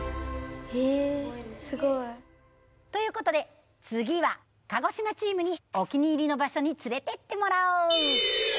へえすごい。ということで次は鹿児島チームにお気に入りの場所に連れていってもらおう。